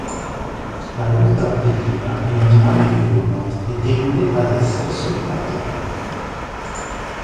La lontra felina è un animale diurno, e tende ad essere solitaria.